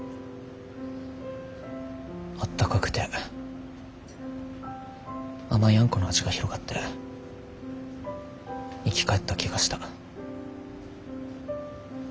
あったかくて甘いあんこの味が広がって生き返った気がした。